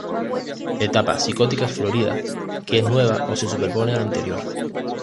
Etapa psicótica florida: que es nueva o se superpone a la anterior.